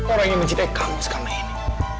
orang yang mencintai kamu selama ini